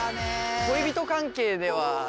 恋人関係では。